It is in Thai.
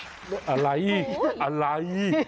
หวูอะไรอะไร